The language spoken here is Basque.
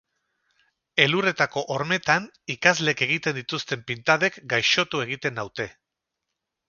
Elurretako hormetan ikasleek egiten dituzten pintadek gaixotu egiten naute.